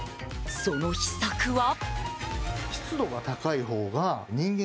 その秘策は？